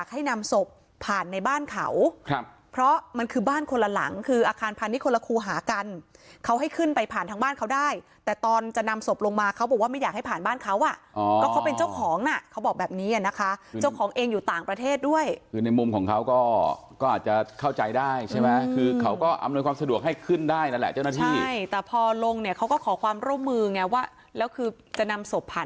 หากันเขาให้ขึ้นไปผ่านทางบ้านเขาได้แต่ตอนจะนำสบลงมาเขาบอกว่าไม่อยากให้ผ่านบ้านเขาอ่ะก็เขาเป็นเจ้าของน่ะเขาบอกแบบนี้นะคะเจ้าของเองอยู่ต่างประเทศด้วยคือในมุมของเขาก็ก็อาจจะเข้าใจได้ใช่ไหมคือเขาก็อำนวยความสะดวกให้ขึ้นได้นั่นแหละเจ้าหน้าที่ใช่แต่พอลงเนี่ยเขาก็ขอความร่วมมือไงว่าแล้วคือจะนำ